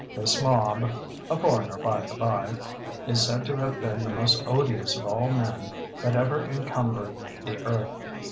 This Mob (a foreigner, by the by), is said to have been the most odious of all men that ever encumbered the earth.